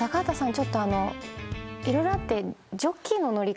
ちょっといろいろあって」。